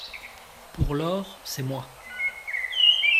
Pour lors, c’est moi !